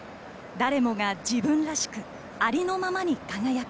誰もが自分らしくありのままに輝く。